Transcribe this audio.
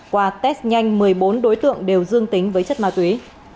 qua test nhanh một mươi bốn đối tượng đều dương tính với chất ma túy